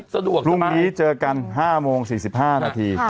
สะดวกพรุ่งนี้เจอกัน๕โมง๔๕นาที